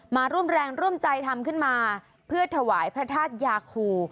มาร่วมแรงร่วมใจทำขึ้นมาเพื่อถวายพระธาตุยาคู